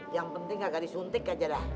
yang penting agak disuntik aja dah